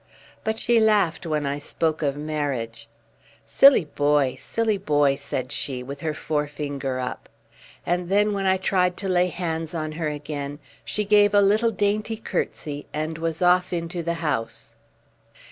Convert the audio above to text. But she laughed when I spoke of marriage. "Silly boy! Silly boy!" said she, with her forefinger up; and then when I tried to lay hands on her again, she gave a little dainty curtsy, and was off into the house.